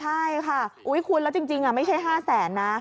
ใช่ค่ะคุณแล้วจริงไม่ใช่๕แสนนะ